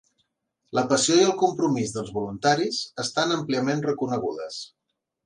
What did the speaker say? La passió i el compromís dels voluntaris estan àmpliament reconegudes.